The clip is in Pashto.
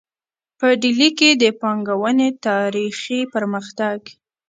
په ډیلي کې د پانګونې تاریخي پرمختګ